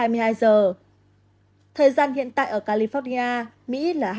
thời gian hiện tại ở california mỹ là hai mươi hai h